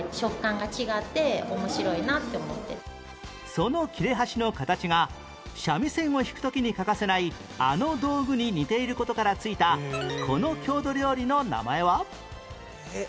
その切れ端の形が三味線を弾く時に欠かせないあの道具に似ている事から付いたこの郷土料理の名前は？えっ？